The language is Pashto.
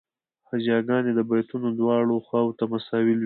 هجاګانې د بیتونو دواړو خواوو ته مساوي لویږي.